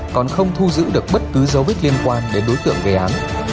còn không thu giữ được bất cứ dấu vết liên quan đến đối tượng gây án